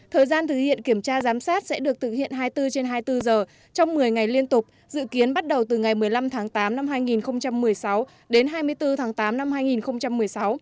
thời gian thực hiện kiểm tra giám sát sẽ được thực hiện hai mươi bốn trên hai mươi bốn giờ trong một mươi ngày liên tục dự kiến bắt đầu từ ngày một mươi năm tháng tám năm hai nghìn một mươi sáu đến hai mươi bốn tháng tám năm hai nghìn một mươi sáu